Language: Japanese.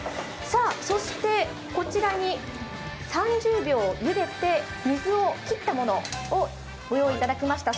そして、こちらに３０秒ゆでて水を切ったものをご用意いただきました。